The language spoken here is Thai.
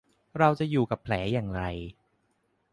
เราจะอยู่กับแผลอย่างไร ?